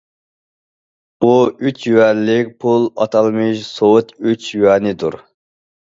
بۇ ئۈچ يۈەنلىك پۇل ئاتالمىش« سوۋېت ئۈچ يۈەنى» دۇر.